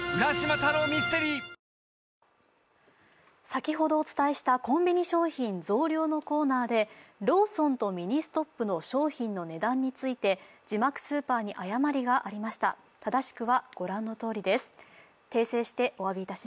先ほどお伝えしたコンビニ商品増量のコーナーでローソンとミニストップの商品の値段について字幕スーパーに誤りがありました。